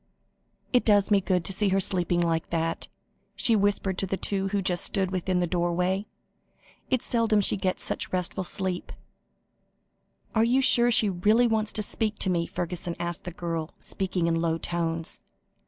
"It does me good to see her sleeping like that," she whispered to the two who stood just within the doorway; "it's seldom she gets such restful sleep." "You are sure she really wants to speak to me?" Fergusson asked the girl, speaking in low tones.